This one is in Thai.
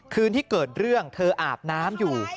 คืนที่เกิดเรื่องเธออาบน้ำอยู่